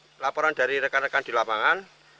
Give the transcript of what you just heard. laporan dari rekan rekan di lapangan